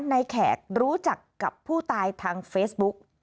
แขกรู้จักกับผู้ตายทางเฟซบุ๊ก